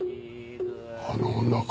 あの女か？